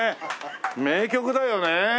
名曲だよね。